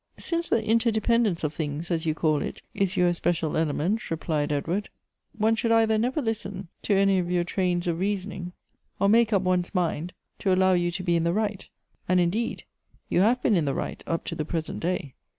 " Since the interdependence of things, as you call it, is j'our especial element," replied Edward, "one should either never listen to any of your trains of reasoning, or make up one's mind to allow you to be in the right ; and, indeed, you have been in the right up to the present day.